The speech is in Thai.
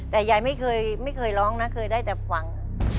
แต่ยายไม่เคยร้องนะเคยได้แต่ฟัง